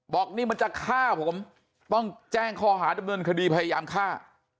บอกนี่มันจะฆ่าผมต้องแจ้งข้อหาดำเนินคดีพยายามฆ่า